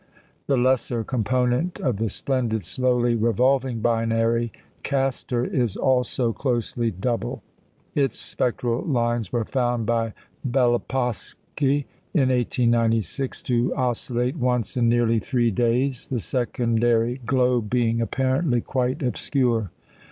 The lesser component of the splendid, slowly revolving binary, Castor, is also closely double. Its spectral lines were found by Bélopolsky in 1896 to oscillate once in nearly three days, the secondary globe being apparently quite obscure.